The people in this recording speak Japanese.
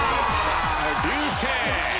流星。